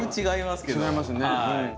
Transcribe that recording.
違いますね。